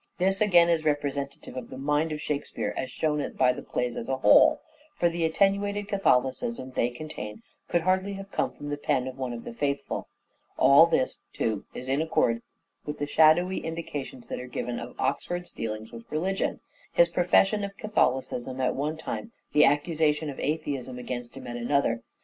This again is representative of the mind of Shakespeare as shown by the plays as a whole : for the attenuated Catholicism they contain could hardly have come from the pen of one of the faithful. All this, too, is in accord with the shadowy indications that are given of Oxford's dealings with religion : his profession of Catholicism at one time, the accusation of atheism against him at another.